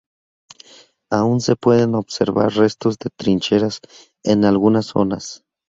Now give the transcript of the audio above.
Aún se pueden observar restos de trincheras en algunas zonas.